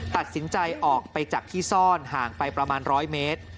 ตัดสินใจออกไปจากที่ซ่อนห่างไปประมาณ๑๐๐เมตร